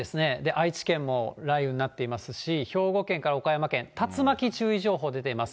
愛知県も雷雨になってますし、兵庫県から岡山県、竜巻注意情報出ています。